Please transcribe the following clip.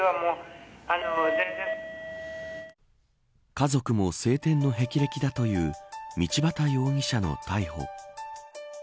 家族も青天のへきれきだという道端容疑者の逮捕。